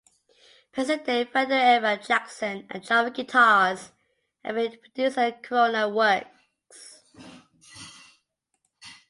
Present day Fender-era Jackson and Charvel guitars are being produced at the Corona works.